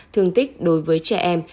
thương tích đối với trẻ em